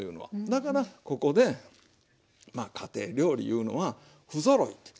だからここで家庭料理いうのは不ぞろいと。